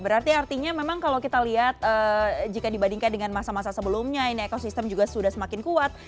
berarti artinya memang kalau kita lihat jika dibandingkan dengan masa masa sebelumnya ini ekosistem juga sudah semakin kuat